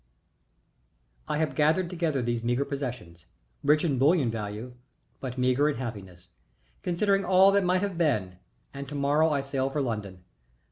I have gathered together these meagre possessions rich in bullion value, but meagre in happiness, considering all that might have been, and to morrow I sail for London.